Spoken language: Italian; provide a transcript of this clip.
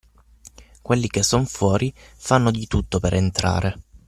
Quelli che son fuori, fanno di tutto per entrare